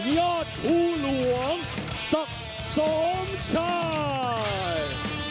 ยอดทุนวงสักสมชาย